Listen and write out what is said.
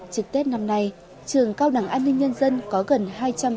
trực tết năm nay trường cao đẳng an ninh nhân dân có gần hai trăm linh